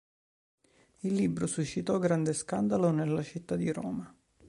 Il libro suscitò grande scandalo nella città di Roma.